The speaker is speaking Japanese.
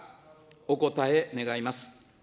お答え願います。